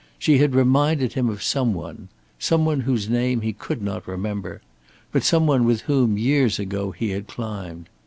She had reminded him of some one some one whose name he could not remember but some one with whom years ago he had climbed.